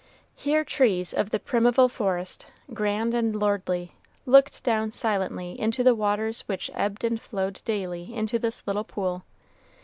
Here trees of the primeval forest, grand and lordly, looked down silently into the waters which ebbed and flowed daily into this little pool.